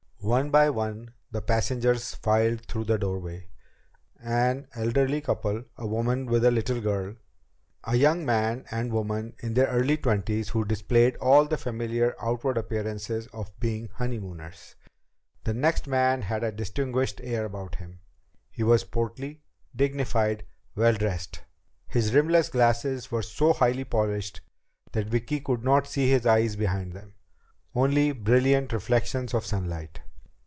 One by one the passengers filed through the doorway. An elderly couple. A woman with a little girl. A young man and woman in their early twenties who displayed all the familiar outward appearances of being honeymooners. The next man had a distinguished air about him. He was portly, dignified, well dressed. His rimless glasses were so highly polished that Vicki could not see his eyes behind them, only brilliant reflections of sunlight.